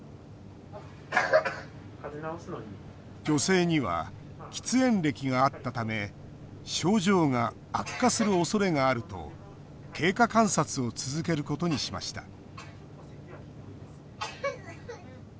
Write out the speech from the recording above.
女性には喫煙歴があったため症状が悪化するおそれがあると経過観察を続けることにしました。